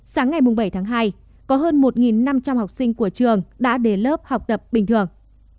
sáng ngày bảy tháng hai có hơn một năm trăm linh học sinh của trường đã đến lớp học tập bình thường